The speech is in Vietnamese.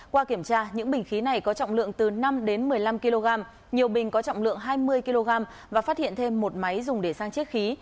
qua kiểm tra những bình khí này có trọng lượng từ năm đến một mươi năm kg nhiều bình có trọng lượng hai mươi kg và phát hiện thêm một máy dùng để sang chiếc khí